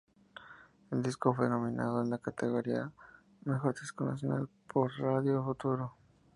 El disco fue nominado en la categoría Mejor Disco Nacional por Radio Futuro.